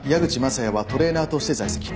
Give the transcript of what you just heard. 雅也はトレーナーとして在籍。